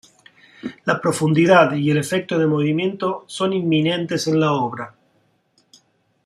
La profundidad y el efecto de movimiento son inminentes en la obra.